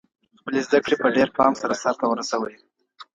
خپلي زده کړي په ډېر پام سره سرته ورسوئ.